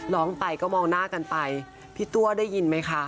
ร้องไปก็มองหน้ากันไปพี่ตัวได้ยินไหมคะ